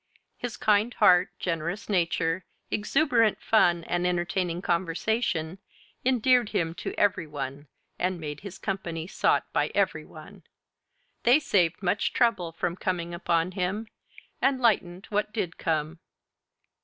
His kind heart, generous nature, exuberant fun, and entertaining conversation endeared him to every one and made his company sought by every one; they saved much trouble from coming upon him and lightened what did come.